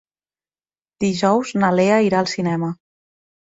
Dijous na Lea irà al cinema.